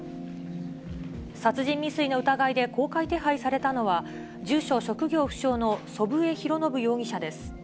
殺人未遂の疑いで公開手配されたのは、住所、職業不詳の祖父江博伸容疑者です。